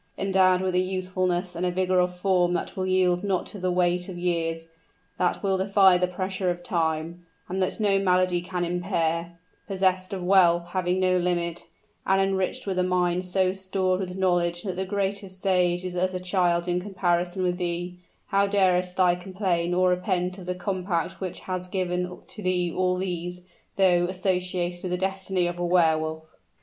Endowed with a youthfulness and a vigor of form that will yield not to the weight of years that will defy the pressure of time and that no malady can impair, possessed of wealth having no limit, and enriched with a mind so stored with knowledge that the greatest sage is as a child in comparison with thee, how darest thou complain or repent of the compact which has given to thee all these, though associated with the destiny of a Wehr Wolf?"